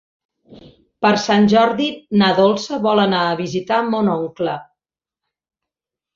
Per Sant Jordi na Dolça vol anar a visitar mon oncle.